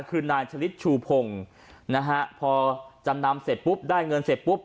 คือนายชะลิดชูพงศ์นะฮะพอจำนำเสร็จปุ๊บได้เงินเสร็จปุ๊บ